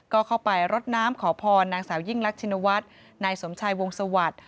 ก็เข้าไปรดน้ำขอพรนางสาวยิ่งรักชินวัฒน์นายสมชายวงสวัสดิ์